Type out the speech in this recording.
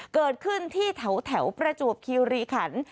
เกิดขึ้นที่แถวประจวบคิวรีขัน